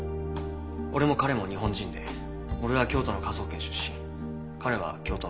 俺も彼も日本人で俺は京都の科捜研出身彼は京都の大学出身。